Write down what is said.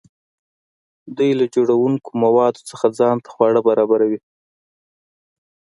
دوی له جوړونکي موادو څخه ځان ته خواړه برابروي.